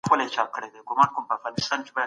فکر بل ځای ته اړول د کار کیفیت کموي.